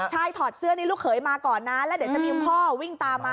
ใช่ถอดเสื้อนี่ลูกเขยมาก่อนนะแล้วเดี๋ยวจะมีคุณพ่อวิ่งตามมา